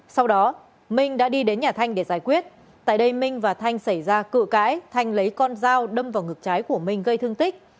sau đó minh đã đi đến nhà thanh để giải quyết tại đây minh và thanh xảy ra cự cãi thanh lấy con dao đâm vào ngực trái của minh gây thương tích